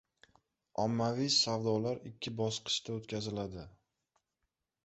Ommaviy savdolar ikki bosqichda o‘tkaziladi